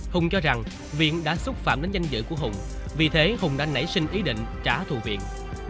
hùng cho rằng viện đã xúc phạm đến danh dự của hùng vì thế hùng đã nảy sinh ý định trả thù viện